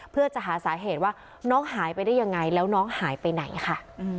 เพื่อจะหาสาเหตุว่าน้องหายไปได้ยังไงแล้วน้องหายไปไหนค่ะ